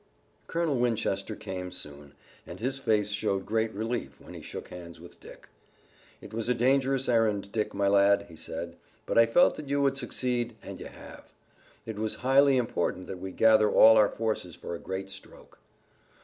Colonel Winchester came soon, and his face showed great relief when he shook hands with Dick. "It was a dangerous errand, Dick, my lad," he said, "but I felt that you would succeed and you have. It was highly important that we gather all our forces for a great stroke."